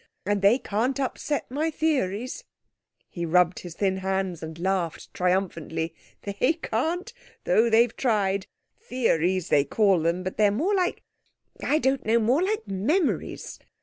And they can't upset my theories"—he rubbed his thin hands and laughed triumphantly—"they can't, though they've tried. Theories, they call them, but they're more like—I don't know—more like memories.